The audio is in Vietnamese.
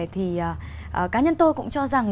thì cá nhân tôi cũng cho rằng